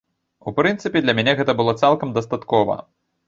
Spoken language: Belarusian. У прынцыпе, для мяне гэта было цалкам дастаткова.